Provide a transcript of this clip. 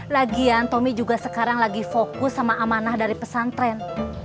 lagian tommy juga sekarang lagi fokus sama amanah dari pesantren